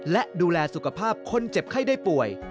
และดูแลสุขภาพคนเจ็บไข้ได้ป่วย